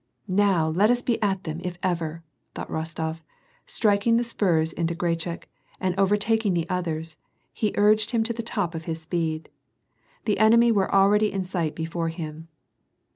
" Now let us be at them if ever," thought Rostof, striking the spurs into Grachik, and overtak* ing the others, he urged him to the top of his speed. The enemy were already in sight before him.